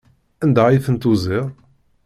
Anda ay ten-tuziḍ?